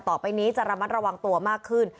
ต่อไปนี้จะระมัดระวังตัวมากขึ้น